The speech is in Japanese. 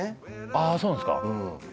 あーそうなんですかうん